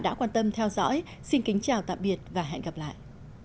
đã quan tâm theo dõi xin kính chào tạm biệt và hẹn gặp lại